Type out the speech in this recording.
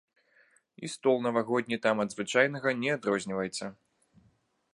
І стол навагодні там ад звычайнага не адрозніваецца.